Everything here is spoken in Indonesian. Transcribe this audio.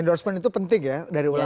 endorsement itu penting ya dari ulama